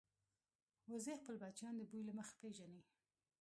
وزې خپل بچیان د بوی له مخې پېژني